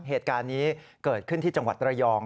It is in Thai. เหตุการณ์นี้เกิดขึ้นที่จังหวัดระยอง